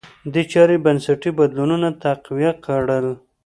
دې چارې بنسټي بدلونونه تقویه کړل.